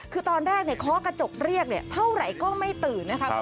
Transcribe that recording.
คือตอนแรกเคาะกระจกเรียกเท่าไหร่ก็ไม่ตื่นนะคะ